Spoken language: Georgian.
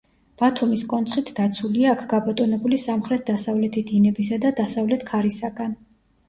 ბათუმის კონცხით დაცულია აქ გაბატონებული სამხრეთ-დასავლეთი დინებისა და დასავლეთ ქარისაგან.